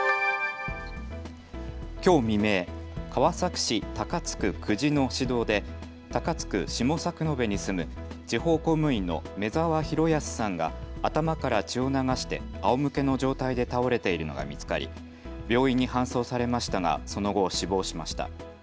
きょう未明、川崎市高津区久地の市道で高津区下作延に住む地方公務員の目澤弘康さんが頭から血を流してあおむけの状態で倒れているのが見つかり病院に搬送されましたがその後、死亡しました。